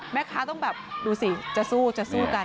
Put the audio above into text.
แม่ค้าต้องแบบดูสิจะสู้จะสู้กัน